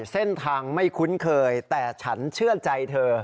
เส้นทางไม่คุ้นเคยแต่ฉันเชื่อใจเธอ